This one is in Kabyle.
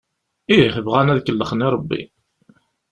Ih, bɣan ad kellxen i Rebbi.